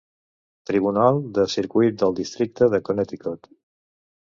Tribunal de Circuit del Districte de Connecticut.